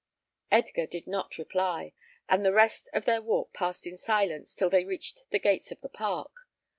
Edgar did not reply, and the rest of their walk passed in silence till they reached the gates of the park.